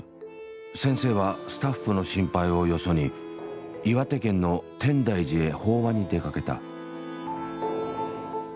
先生はスタッフの心配をよそに岩手県の天台寺へ法話に出かけた。